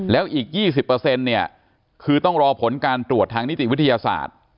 แล้วอีก๒๐เนี่ยคือต้องรอผลการตรวจทางนิติวิทยาศาสตร์